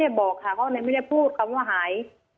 ยายก็ยังแอบไปขายขนมแล้วก็ไปถามเพื่อนบ้านว่าเห็นไหมอะไรยังไง